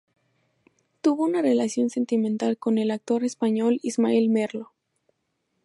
Tuvo una relación sentimental con el actor español Ismael Merlo.